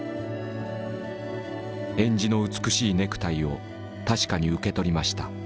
えんじの美しいネクタイを確かに受け取りました。